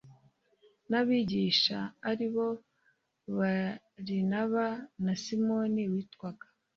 n abigisha ari bo barinaba na simoni witwaga